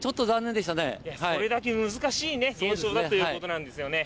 それだけ難しい現象だということなんですよね。